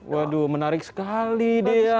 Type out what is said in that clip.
waduh menarik sekali dia